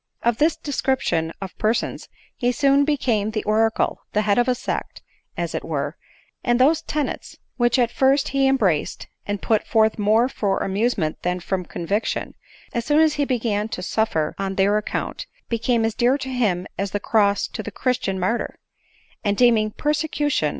Of this description of persons he soon became the oracle — the head of a sect, as it were ; and those tenets which at first he embraced, and put forth more for amusement than from conviction, as soon as he began to suffer on their account, became as dear to him as the cross to the christian martyr ; and deeming persecution ADELINE MOWBRAY.